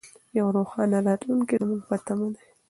یو روښانه راتلونکی زموږ په تمه دی.